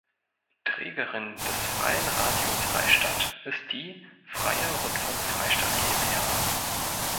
Trägerin des Freien Radio Freistadt ist die "Freier Rundfunk Freistadt GmbH".